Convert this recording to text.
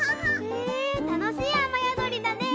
へぇたのしいあまやどりだね！